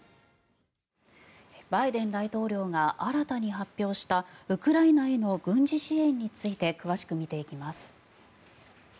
バイデン大統領が新たに発表したウクライナへの軍事支援について詳しく見ていきます。